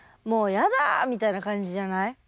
「もうやだ」みたいな感じじゃない？